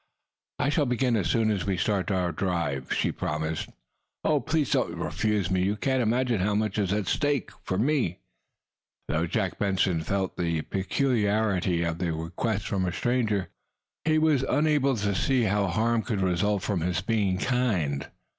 "I shall begin as soon as we start on our drive," she promised. "Oh, please do not refuse me. You cannot imagine how much is at stake for me!" Though Jack Benson felt the peculiarity of the request from a stranger, he was unable to see how harm could result from his being kind.